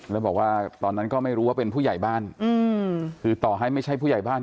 แล้วบอกว่าตอนนั้นก็ไม่รู้ว่าเป็นผู้ใหญ่บ้านคือต่อให้ไม่ใช่ผู้ใหญ่บ้าน